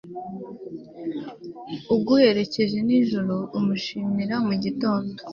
uguherekeje nijoro umushimira mu gitondo